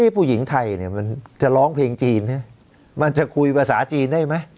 ผู้หญิงไทยมันจะร้องเพลงจีนมันจะคุยภาษาจีนได้ไหม